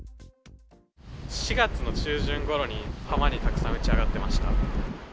４月の中旬ごろに、浜にたくさん打ち上がっていました。